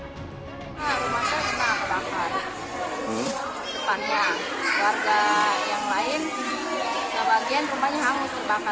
sebelumnya warga yang lain sebagian rumahnya hangus terbakar pak